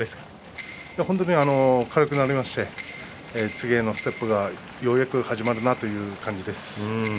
軽くなりまして次へのステップがようやく始まるなという感じです。